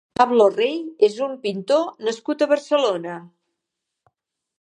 Pablo Rey és un pintor nascut a Barcelona.